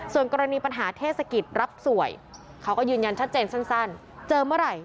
ส่วนกรณีปัญหาเทศกิจรับสวยเขาก็ยืนยันชัดเจนสั้นเจอเมื่อไหร่